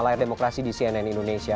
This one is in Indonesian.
layar demokrasi di cnn indonesia terima kasih